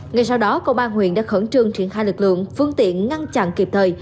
ngay sau đó công an huyện đã khẩn trương triển khai lực lượng phương tiện ngăn chặn kịp thời